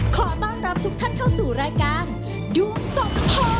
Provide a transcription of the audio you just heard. ขอต้อนรับทุกท่านเข้าสู่รายการดวงสองพ่อ